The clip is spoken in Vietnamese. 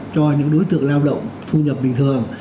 cho những đối tượng lao động thu nhập bình thường